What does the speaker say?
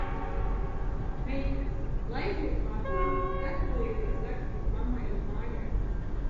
Meitenes, laiziet markas, gatavojieties rakstīt mammai uz mājām!